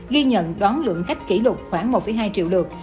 ghi nhận đón lượng khách kỷ lục khoảng một hai triệu lượt